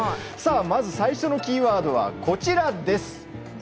最初のキーワードはこちらです。